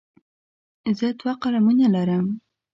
زه دوه قلمونه لرم.